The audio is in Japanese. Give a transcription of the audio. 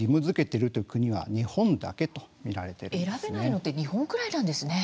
選べないのは日本ぐらいなんですね。